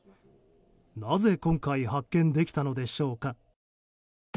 なぜ今回発見できたのでしょうか。